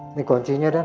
ini kuncinya dan